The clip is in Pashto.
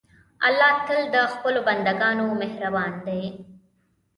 الله تل د خپلو بندهګانو مهربان دی.